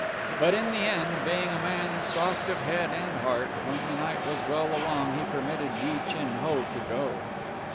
But in the end, being a man soft of head and heart, when the night was well along he permitted Yi Chin Ho to go.